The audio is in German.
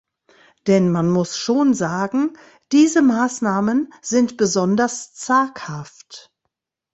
Denn man muss schon sagen, diese Maßnahmen sind besonders zaghaft.